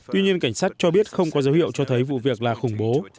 tuy nhiên cảnh sát cho biết không có dấu hiệu cho thấy vụ việc là khủng bố